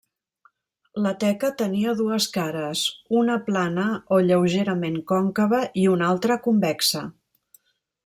La teca tenia dues cares, una plana o lleugerament còncava i una altra convexa.